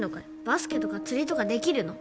バスケとか釣りとかできるの？